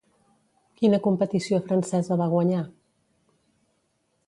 Quina competició francesa va guanyar?